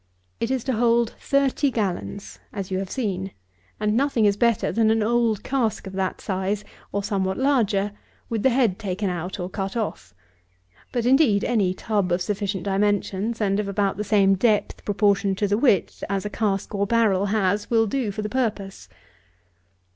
It is to hold thirty gallons, as you have seen; and nothing is better than an old cask of that size, or somewhat larger, with the head taken out, or cut off. But, indeed, any tub of sufficient dimensions, and of about the same depth proportioned to the width as a cask or barrel has, will do for the purpose.